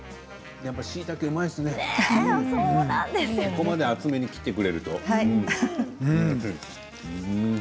こんなに厚めに切ってくれると。